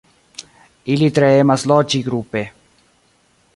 Ili tre emas loĝi grupe.